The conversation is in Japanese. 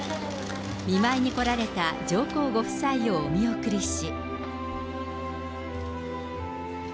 見舞いに来られた上皇ご夫妻をお見送りし。